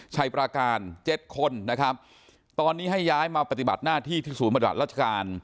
ชัยปราการเจ็ดคนนะครับตอนนี้ให้ย้ายมาปฏิบัติหน้าที่ที่ศูนย์ปฏิบัติราชการ